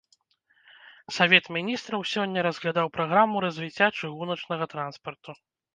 Савет міністраў сёння разглядаў праграму развіцця чыгуначнага транспарту.